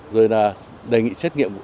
rồi là đề nghị xét nghiệm